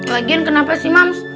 lagian kenapa sih mams